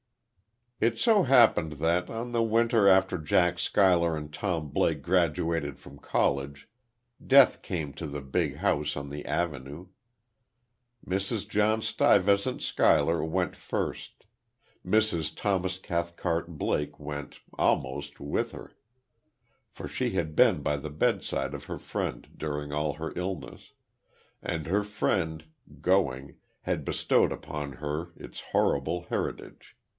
It so happened that, on the winter after Jack Schuyler and Tom Blake graduated from college, death came to the big houses on the Avenue. Mrs. John Stuyvesant Schuyler went first; Mrs. Thomas Cathcart Blake went, almost, with her; for she had been by the bedside of her friend during all her illness; and her friend, going, had bestowed upon her its horrible heritage.